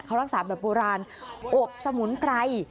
เขารักษาแบบโบราณอบสมุนไพร